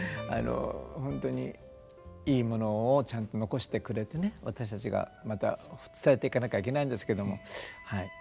本当にいいものをちゃんと残してくれてね私たちがまた伝えていかなきゃいけないんですけどもはい。